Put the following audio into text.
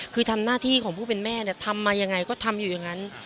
คือทำหน้าที่ของผู้เป็นแม่เนี่ยทำมายังไงก็ทำอยู่อย่างนั้น